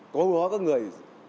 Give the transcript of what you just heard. có đó có người